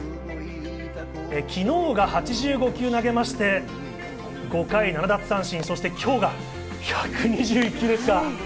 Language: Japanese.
昨日が８５球投げて、５回７奪三振、今日が１２１球ですか。